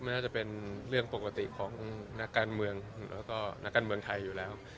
น่าจะเป็นเรื่องปกติของนักการเมืองแล้วก็นักการเมืองไทยอยู่แล้ว